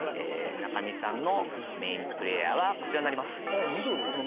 村上さんのメインプレーヤーはこちらになります。